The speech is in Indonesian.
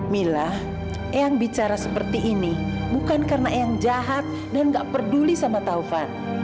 mila eyang bicara seperti ini bukan karena eyang jahat dan gak peduli sama taufan